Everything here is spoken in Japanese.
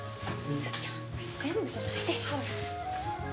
ちょっと全部じゃないでしょ。